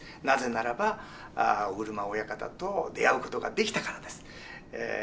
なぜならば尾車親方と出会うことができたからです。